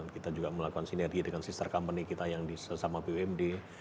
kita juga melakukan sinergi dengan sister company kita yang di sesama bumd